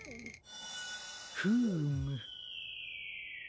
フーム。